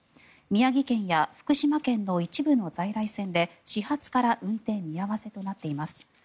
宮城県や福島県の一部の在来線で始発から運転見合わせとなっています。